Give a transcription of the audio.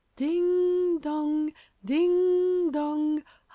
Ding dong! ding dong!